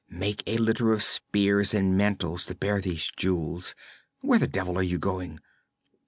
'Make a litter of spears and mantles to bear these jewels where the devil are you going?'